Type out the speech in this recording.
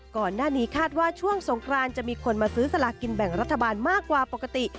ก่อนหน้านี้คาดว่าช่วงสงครานจะมีคนมาซื้อสลากินแบ่งรัฐบาลมากกว่าปกติ